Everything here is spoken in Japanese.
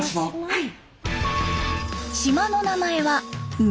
はい。